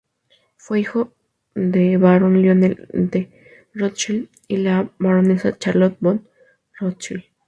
Fue hijo del barón Lionel de Rothschild y la baronesa Charlotte von Rothschild.